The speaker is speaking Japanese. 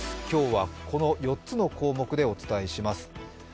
今日はこの４つの項目でお伝えします。